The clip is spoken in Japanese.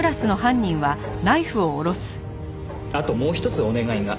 あともうひとつお願いが。